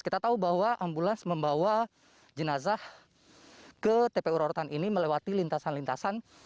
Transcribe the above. kita tahu bahwa ambulans membawa jenazah ke tpu rorotan ini melewati lintasan lintasan